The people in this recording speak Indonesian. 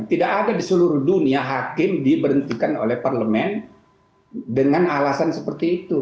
tidak ada di seluruh dunia hakim diberhentikan oleh parlemen dengan alasan seperti itu